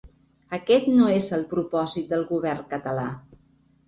Aquest no és el propòsit del govern català.